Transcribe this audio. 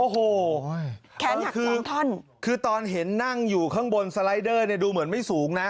โอ้โหคือตอนเห็นนั่งอยู่ข้างบนสไลด์เดอร์ดูเหมือนไม่สูงนะ